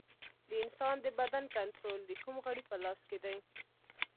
د انسان د بدن کنټرول د کوم غړي په لاس کې دی